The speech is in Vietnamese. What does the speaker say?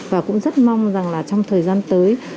và cũng rất mong rằng trong thời gian tới